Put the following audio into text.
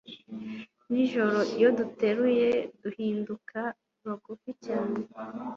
nijoro iyo duteruye duhinduka bagufi cyane